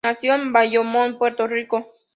Nació en Bayamón, Puerto Rico.